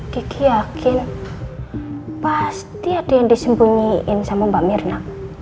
kiki yakin pasti ada yang disembunyiin sama mbak mirna